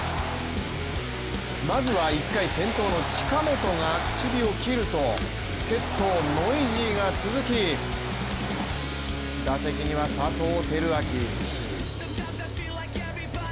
まずは１回、先頭の近本が口火を切ると助っと・ノイジーが続き打席には佐藤輝明。